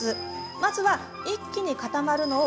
まずは一気に固まるのを防ぐため。